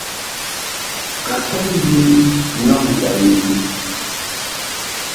A kɛ ŋmbii, nyɔ mut a wii.